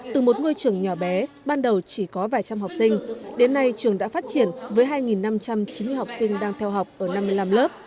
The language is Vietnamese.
từ một ngôi trường nhỏ bé ban đầu chỉ có vài trăm học sinh đến nay trường đã phát triển với hai năm trăm chín mươi học sinh đang theo học ở năm mươi năm lớp